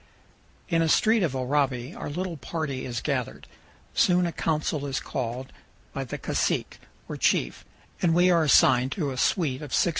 In a street of Oraibi our little party is gathered. Soon a council is called by the cacique, or zchief, and we are assigned to a suite of six or powell canyons 208.